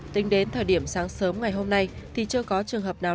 tính đến thời điểm sáng sớm ngày hôm nay thì chưa có trường hợp nào